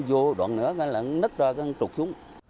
vô đoạn nữa nó nớp ra nó trục xuống